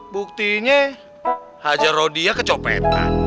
buktinya hajar roh dia kecopetan